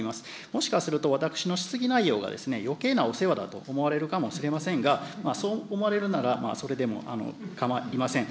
もしかすると、私の質疑内容がよけいなお世話だと思われるかもしれませんが、そう思われるなら、それでもかまいません。